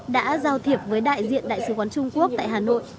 đã giao thiệp với đại diện đại sứ quán trung quốc tại hà nội